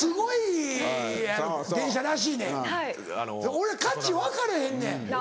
俺価値分かれへんねん。